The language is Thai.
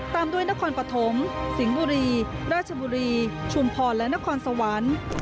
ตามด้วยนครปฐมสิงห์บุรีราชบุรีชุมพรและนครสวรรค์